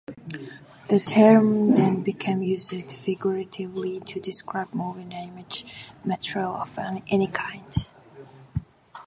The term then became used figuratively to describe moving image material of any kind.